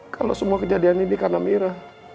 kalau semua kejadian ini karena mira